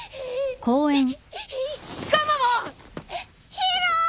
宙！